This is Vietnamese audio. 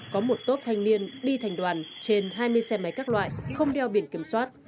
có một tốp thanh niên đi thành đoàn trên hai mươi xe máy các loại không đeo biển kiểm soát